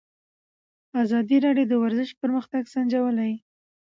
ازادي راډیو د ورزش پرمختګ سنجولی.